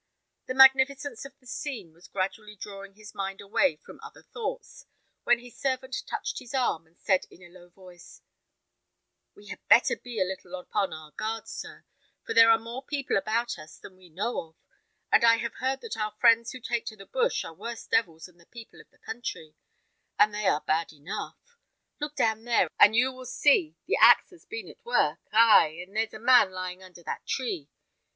The magnificence of the scene was gradually drawing his mind away from other thoughts, when his servant touched his arm, and said in a low voice, "We had better be a little upon our guard, sir, for there are more people about us than we know of, and I have heard that our friends who take to the bush are worse devils than the people of the country; and they are bad enough. Look down there, and you will see the axe has been at work ay, and there's a man lying under that tree.